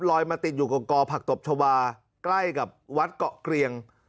มาติดอยู่กับกอผักตบชาวาใกล้กับวัดเกาะเกรียง